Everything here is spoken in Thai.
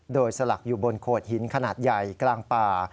โดยสลักอยู่บนโขดหินขนาดใหญ่กลางป่า